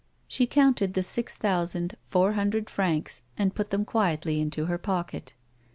She counted the six thousand, four hundred francs, and put them quietly into her pocket.